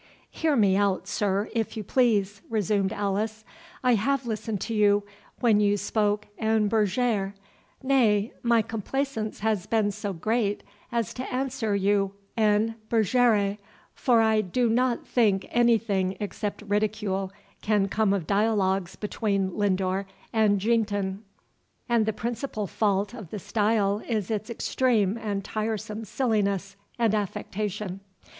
"Hear me out, sir, if you please," resumed Alice. "I have listened to you when you spoke en berger—nay, my complaisance has been so great, as to answer you en bergère—for I do not think any thing except ridicule can come of dialogues between Lindor and Jeanneton; and the principal fault of the style is its extreme and tiresome silliness and affectation.